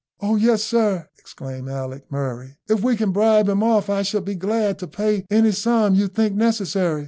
"Oh, yes, sir," exclaimed Alick Murray; "if we can bribe him off I shall be glad to pay any sum you think necessary.